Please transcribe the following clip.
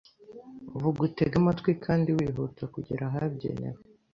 Vuga utege amatwi kandi wihuta kugera ahabigenewe